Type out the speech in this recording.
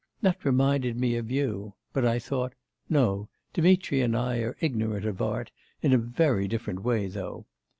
That reminded me of you but I thought; no, Dmitri and I are ignorant of art in a very different way though.